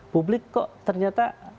publik kok ternyata